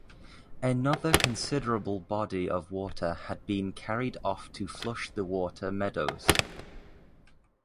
Another considerable body of water had been carried off to flush the water meadows.